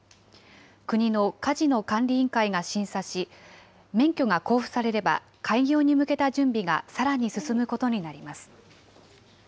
国のカジノ管理委員会が審査し、免許が交付されれば、開業に向けた準備がさらに進むことになります。